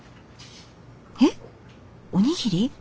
えっおにぎり？